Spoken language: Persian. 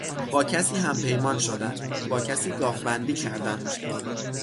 با کسی همپیمان شدن، با کسی گاوبندی کردن